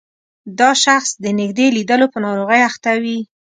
دا شخص د نږدې لیدلو په ناروغۍ اخته وي.